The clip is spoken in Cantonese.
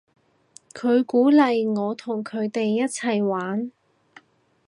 佢鼓勵我同佢哋一齊玩